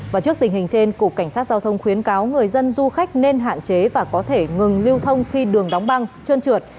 và trước tình hình trên cục cảnh sát giao thông khuyến cáo người dân du khách nên hạn chế và có thể ngừng lưu thông khi đường đóng băng trơn trượt